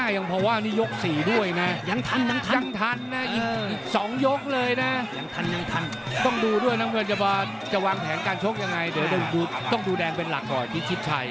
อย่างนี้ยก๔ด้วยนะยังทันนะอีก๒ยกเลยนะต้องดูด้วยทุกคนจะวางแผงการชกยังไงเดี๋ยวต้องดูแดงเป็นหลักก่อนจินทิศไทย